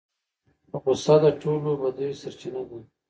غصه د ټولو بدیو سرچینه ده.